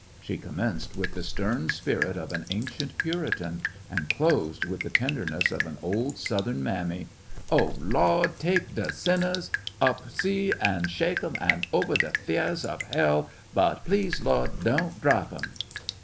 She com menced with the stem spirit of an ancient Puritan, and closed with the tenderness of an old Southern mammy: "Oh, Lawd, tek de sinnahs ob C an' shek 'em obah de fiahs ob hell— but please, Lawd, doan drap 'em."